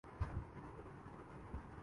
کیا آپ جانتے ہیں